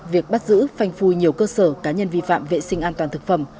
việc bắt giữ phanh phui nhiều cơ sở cá nhân vi phạm vệ sinh an toàn thực phẩm